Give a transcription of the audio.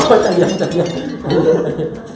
โอ้ยจัดเยี่ยมจัดเยี่ยม